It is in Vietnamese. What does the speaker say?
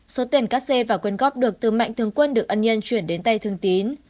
số tiền cắt xe và quyền góp được từ mạnh thương quân được ân nhân chuyển đến tay thương tín